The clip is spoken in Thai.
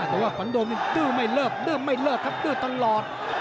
แต่ว่าขวัญโดมนี่ดื้อไม่เลิกดื้อไม่เลิกครับดื้อตลอด